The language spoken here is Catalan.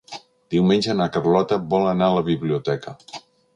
Diumenge na Carlota vol anar a la biblioteca.